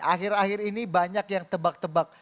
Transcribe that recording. akhir akhir ini banyak yang tebak tebak